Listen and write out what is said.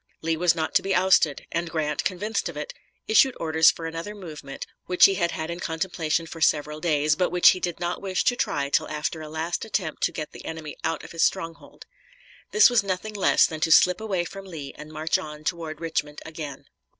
Lee was not to be ousted; and Grant, convinced of it, issued orders for another movement which he had had in contemplation for several days, but which he did not wish to try till after a last attempt to get the enemy out of his stronghold. This was nothing less than to slip away from Lee and march on toward Richmond again.